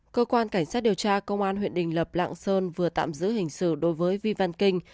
cơ quan cảnh sát điều tra công an huyện đình lập lạng sơn vừa tạm giữ hình sự đối với vi văn kinh